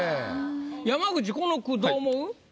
山口この句どう思う？